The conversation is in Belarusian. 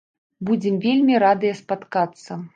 Будзем вельмі радыя спаткацца.